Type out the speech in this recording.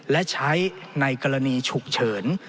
และใช้ในกรณีฉุกเฉิน